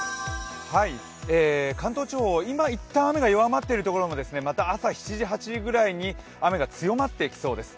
関東地方、今一旦雨が弱まっているところもまた朝７時、８時ぐらいに雨が強まっていきそうです。